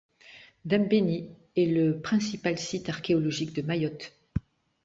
Dembéni est le principal site archéologique de Mayotte.